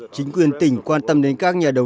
chính quyền tỉnh quan tâm đến các nhà đầu tư